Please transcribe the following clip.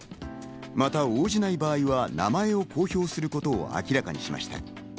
また応じない場合は名前を公表することを明らかにしました。